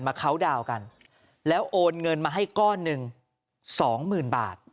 เคาน์ดาวน์กันแล้วโอนเงินมาให้ก้อนหนึ่งสองหมื่นบาท